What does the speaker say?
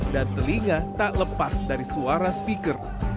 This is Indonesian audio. dan telinga tak lepas dari suara speaker